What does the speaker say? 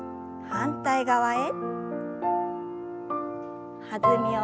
反対側へ。